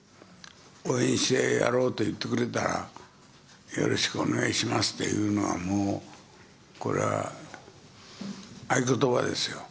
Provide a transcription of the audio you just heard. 応援してやろうと言ってくれたら、よろしくお願いしますって言うのはもう、これは合言葉ですよ。